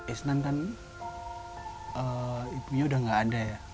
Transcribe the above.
isnan kan ibunya udah gak ada ya